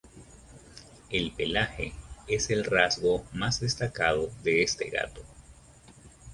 El pelaje es el rasgo más destacado de este gato.